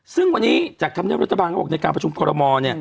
ซึ่งวันนี้จากทำเนี้ยลูกธรรมานเขาบอกว่าในการประชุมพลมม